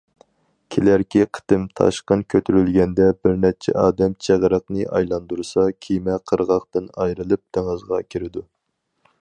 كېلەركى قېتىم تاشقىن كۆتۈرۈلگەندە بىر نەچچە ئادەم چىغرىقنى ئايلاندۇرسا كېمە قىرغاقتىن ئايرىلىپ دېڭىزغا كىرىدۇ.